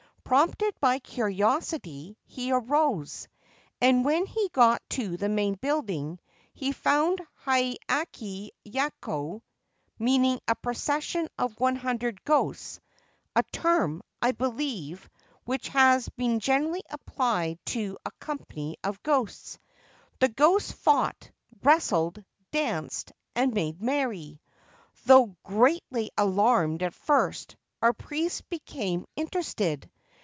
Prompted by curiosity, he arose ; and when he got to the main building he found Hiyakki Yako (meaning a procession of one hundred ghosts) — a term, I believe, which had been generally applied to a company of ghosts. The ghosts fought, wrestled, danced, and made merry. Though greatly alarmed at first, our priest became interested.